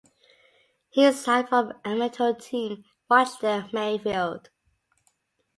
He signed from amateur team Rochdale Mayfield.